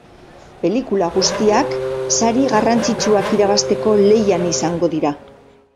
Pelikula guztiak sari garrantzitsuak irabazteko lehian izango dira.